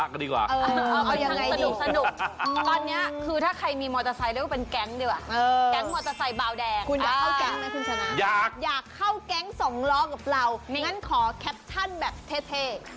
แค่ใครมีมอเตอร์ไซน์เราก็เป็นแก๊งด้วย